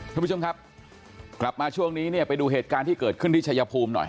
คุณผู้ชมครับกลับมาช่วงนี้เนี่ยไปดูเหตุการณ์ที่เกิดขึ้นที่ชายภูมิหน่อย